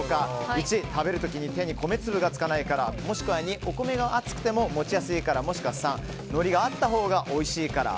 １、食べる時に手に米粒がつかないから２、お米が熱くても持ちやすいから３、のりがあったほうがおいしいから。